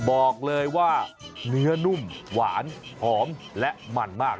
บอกเลยว่าเนื้อนุ่มหวานหอมและมันมาก